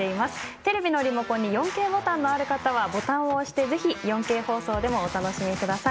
テレビのリモコンに４Ｋボタンのある方はボタンを押して、ぜひ４Ｋ放送でもお楽しみください。